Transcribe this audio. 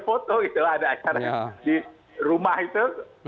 foto gitu lah ada di rumah itu